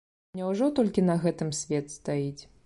Няўжо толькі на гэтым свет стаіць?